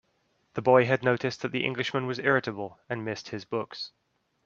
The boy had noticed that the Englishman was irritable, and missed his books.